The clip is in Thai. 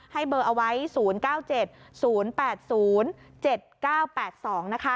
ให้เบอร์เอาไว้๐๙๗๐๘๐๗๙๘๒นะคะ